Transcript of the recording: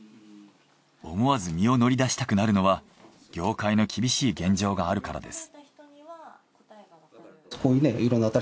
思わず身を乗り出したくなるのは業界の厳しい現状があるからです。